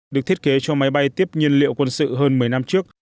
được thiết kế cho máy bay tiếp nhiên liệu quân sự hơn một mươi năm trước